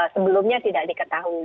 sebelumnya tidak diketahui